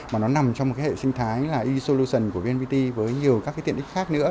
mà nó nằm trong hệ sinh thái e solution của vnpt với nhiều các tiện ích khác nữa